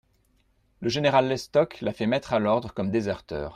Le général Lestocq l'a fait mettre à l'ordre comme déserteur.